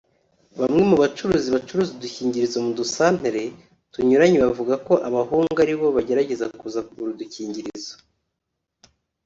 Bamwe mu bacuruzi bacuruza udukingirizo mu dusantere tunyuranye bavuga ko abahungu ari bo bagerageza kuza kugura udukingirizo